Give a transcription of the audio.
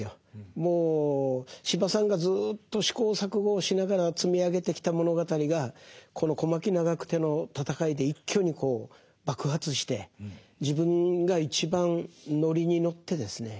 もう司馬さんがずっと試行錯誤をしながら積み上げてきた物語がこの小牧・長久手の戦いで一挙に爆発して自分が一番乗りに乗ってですね